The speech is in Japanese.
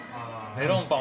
メロンパン？